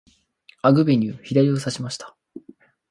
アグベニュー、左をさしました。